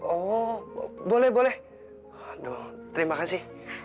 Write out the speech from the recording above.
oh boleh boleh aduh terima kasih